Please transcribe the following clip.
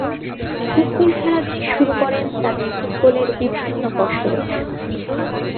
Football খেলা দিয়ে শুরু করেন তার ফুটবলের বিভিন্ন কসরত।